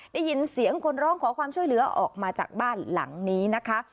ได้ยินเสียงคนร้องขอความช่วยเหลือออกมาจากบ้านหลังนี้นะคะ